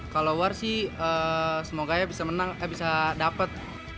kalau war sih semoga bisa dapat